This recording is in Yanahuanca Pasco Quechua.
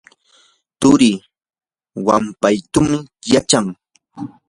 turii wampuytam yachan.